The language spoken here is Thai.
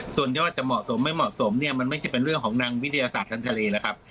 ส่วนยอดจะเหมาะสมไม่เหมาะสมเนี่ยมันไม่ใช่เป็นเรื่องของนางวิทยาศาสตร์ทางทะเลแล้วครับ